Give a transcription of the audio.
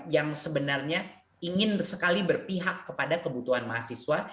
yang sebenarnya ingin sekali berpihak kepada kebutuhan mahasiswa